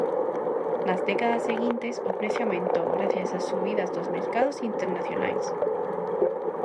Nas décadas seguintes o prezo aumentou grazas ás subidas dos mercados internacionais.